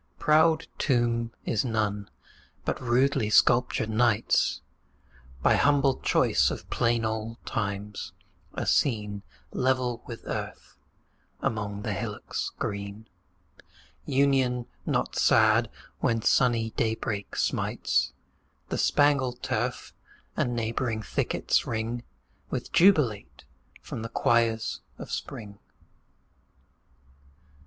Proud tomb is none; but rudely sculptured knights, By humble choice of plain old times, are seen 10 Level with earth, among the hillocks green: Union not sad, when sunny daybreak smites The spangled turf, and neighbouring thickets ring With jubilate from the choirs of spring!